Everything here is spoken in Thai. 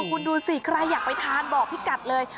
คุณดูสิใครอยากไปทานบอกพี่กัดเลย